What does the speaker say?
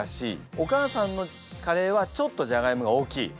お母さんのカレーはちょっとジャガイモが大きい？